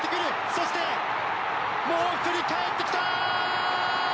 そして、もう１人かえってきた！